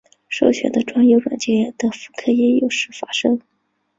授权的专有软件的复刻也时有发生。